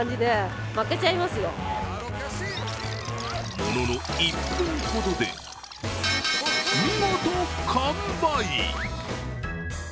ものの１分ほどで見事、完売！